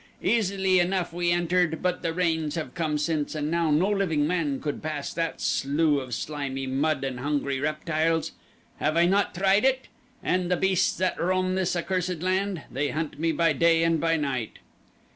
Easily enough we entered; but the rains have come since and now no living man could pass that slough of slimy mud and hungry reptiles. Have I not tried it! And the beasts that roam this accursed land. They hunt me by day and by night."